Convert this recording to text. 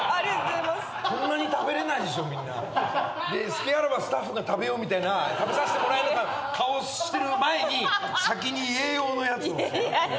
隙あらばスタッフが食べようみたいな食べさせてもらえる顔する前に先に家用のやつを。